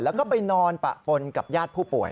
แล้วก็ไปนอนปะปนกับญาติผู้ป่วย